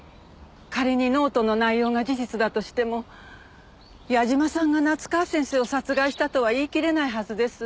仮にノートの内容が事実だとしても矢嶋さんが夏河先生を殺害したとは言い切れないはずです。